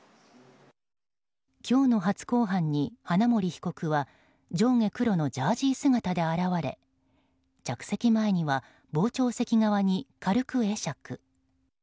今日の初公判に花森被告は上下黒のジャージー姿で現れ着席前には傍聴席側に軽く会釈。